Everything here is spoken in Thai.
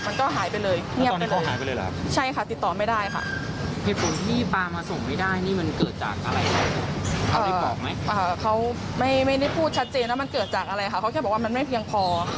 ในบริษัทก็คือไม่มีใครรู้นอกจากเขากันเดียว